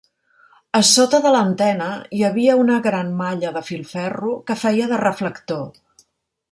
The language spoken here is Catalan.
A sota de l'antena hi havia una gran malla de filferro que feia de reflector.